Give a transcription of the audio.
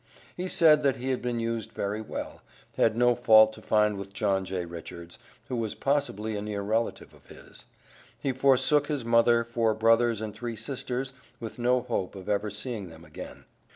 He said that he had been used very well, had no fault to find with John J. Richards, who was possibly a near relative of his. He forsook his mother, four brothers and three sisters with no hope of ever seeing them again.